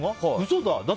嘘だ！